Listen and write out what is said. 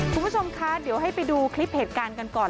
คุณผู้ชมคะเดี๋ยวให้ไปดูคลิปเหตุการณ์กันก่อน